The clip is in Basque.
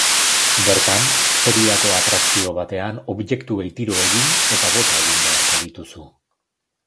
Bertan, feriako atrakzio bateko objektuei tiro egin eta bota egin beharko dituzu.